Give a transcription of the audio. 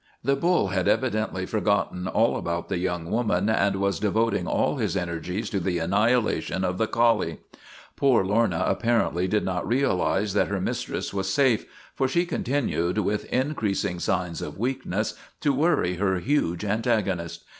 The bull had evidently forgotten all about the young woman and was devoting all his energies to the annihilation of the collie. Poor Lorna apparently did not realize that her mistress was safe, for she continued, with increasing signs of weakness, to worry her huge antagonist.